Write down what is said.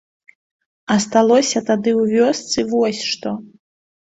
Асталося тады ў вёсцы вось што.